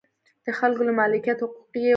د خلکو د مالکیت حقوق یې وګواښل.